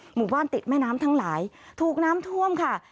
หมู่บ้านติดแม่น้ำทั้งหลายถูกน้ำท่วมค่ะ